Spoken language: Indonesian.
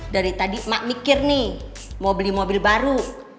dari tadi mak mikir nih mau beli mobil baru